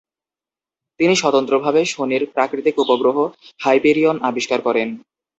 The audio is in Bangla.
তিনি স্বতন্ত্রভাবে শনির প্রাকৃতিক উপগ্রহ হাইপেরিয়ন আবিষ্কার করেন।